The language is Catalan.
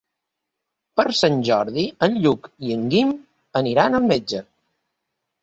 Per Sant Jordi en Lluc i en Guim aniran al metge.